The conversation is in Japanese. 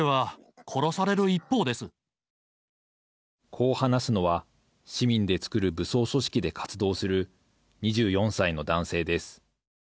こう話すのは市民でつくる武装組織で活動する２４歳の男性です。